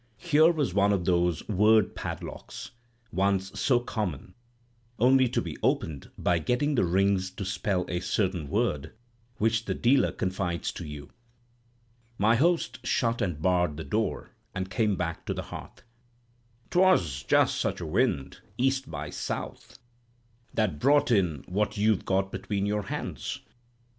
Here was one of those word padlocks, once so common; only to be opened by getting the rings to spell a certain word, which the dealer confides to you. My host shut and barred the door, and came back to the hearth. "'Twas just such a wind—east by south—that brought in what you've got between your hands.